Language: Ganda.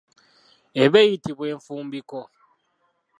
Eba eyitibwa effumbiko.